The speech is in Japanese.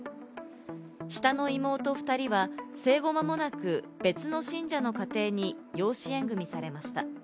下の妹２人は、生後間もなく、別の信者の家庭に養子縁組されました。